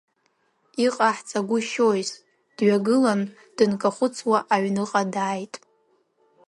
Иҟаиҵагәышьоиз, дҩагылан, дынкахәыцуа иҩныҟа дааит.